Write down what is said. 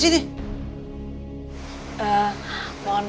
nah ini sama jotra putih